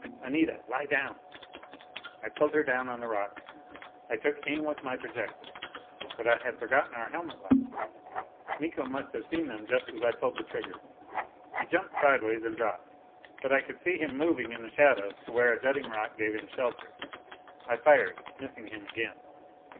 "Anita, lie down." I pulled her down on the rocks. I took aim with my projector. But I had forgotten our helmet lights. Miko must have seen them just as I pulled the trigger. He jumped sidewise and dropped, but I could see him moving in the shadows to where a jutting rock gave him shelter. I fired, missing him again.